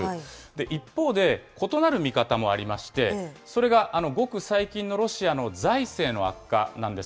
一方で、異なる見方もありまして、それがごく最近のロシアの財政の悪化なんです。